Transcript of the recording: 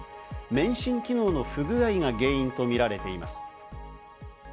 免震機能の不具合が原因とみられています。